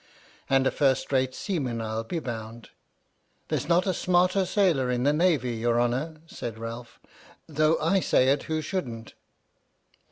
" And a first rate seaman, I'll be bound." "There's not a smarter sailor in the Navy, your honour," said Ralph, "though I say it who shouldn't."